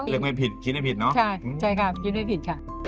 ไม่ผิดคิดไม่ผิดเนาะใช่ค่ะคิดไม่ผิดค่ะ